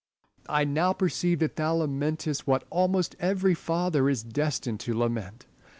I now perceive that thou lamentest what almost every father is destined to lament.